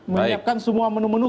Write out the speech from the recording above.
menyiapkan semua menu menu